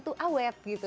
tuh awet gitu